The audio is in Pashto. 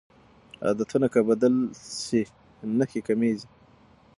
عادتونه که بدل شي نښې کمېږي.